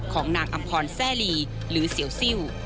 ของนางอำพรแซ่ลีหรือเสียวซิล